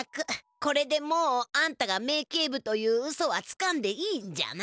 これでもうあんたが名警部といううそはつかんでいいんじゃな。